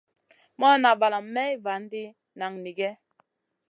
Morna valam Mey vanti nanigue.